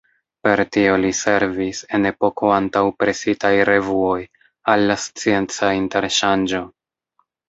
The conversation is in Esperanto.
Per tio li servis, en epoko antaŭ presitaj revuoj, al la scienca interŝanĝo.